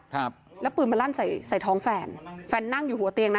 ครับแล้วปืนมาลั่นใส่ใส่ท้องแฟนแฟนนั่งอยู่หัวเตียงนะ